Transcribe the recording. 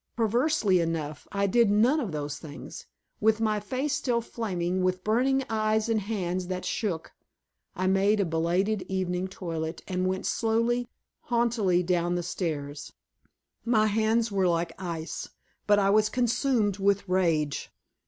Perversely enough, I did none of those things. With my face still flaming, with burning eyes and hands that shook, I made a belated evening toilet and went slowly, haughtily, down the stairs. My hands were like ice, but I was consumed with rage.